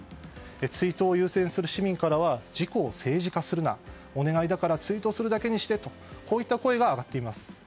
追悼を優先する市民からは事故を政治化するなお願いだから追悼するだけにしてとこういった声が上がっています。